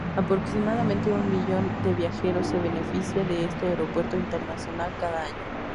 Aproximadamente un millón de viajeros se benefician de este aeropuerto internacional cada año.